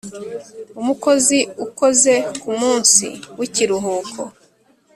Umukozi ukoze ku munsi w ikiruhuko